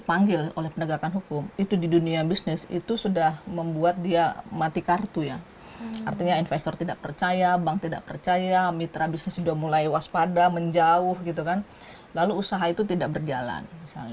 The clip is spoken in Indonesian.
artinya investor tidak percaya bank tidak percaya mitra bisnis sudah mulai waspada menjauh lalu usaha itu tidak berjalan